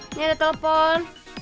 ini ada telepon